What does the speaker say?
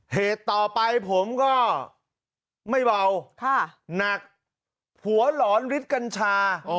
เหตุต่อไปผมก็ไม่เบาหนักผัวหลอนฤทธิ์กัญชา